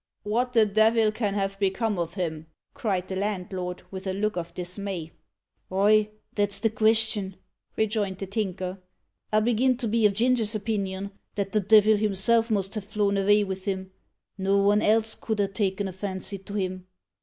"What the devil can have become of him?" cried the landlord, with a look of dismay. "Ay, that's the questin!" rejoined the Tinker. "I begin to be of Ginger's opinion, that the devil himself must have flown avay vith him. No von else could ha' taken a fancy to him."